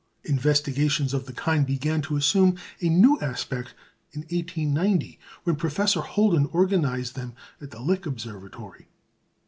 Investigations of the kind began to assume a new aspect in 1890, when Professor Holden organised them at the Lick Observatory.